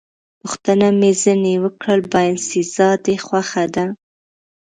پوښتنه مې ځنې وکړل: باینسېزا دې خوښه ده؟